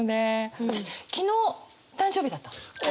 私昨日誕生日だったの。